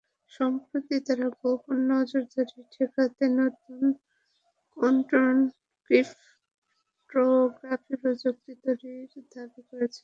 সম্প্রতি তাঁরা গোপন নজরদারি ঠেকাতে নতুন কোয়ান্টাম ক্রিপটোগ্রাফি প্রযুক্তি তৈরির দাবি করেছেন।